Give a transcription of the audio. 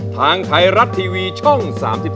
ทางไทยรัฐทีวีช่อง๓๒